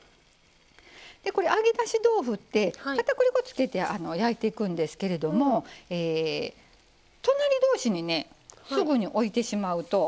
揚げだし豆腐ってかたくり粉つけて焼いていくんですけれども隣同士にすぐに置いてしまうと。